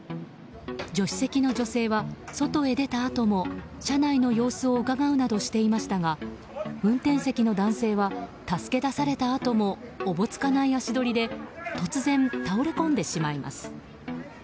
助手席の女性は外へ出たあとも車内の様子をうかがうなどしていましたが運転席の男性は助け出されたあともおぼつかない足取りで突然倒れ込んでしまいます。